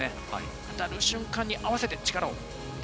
当たる瞬間に合わせて力を。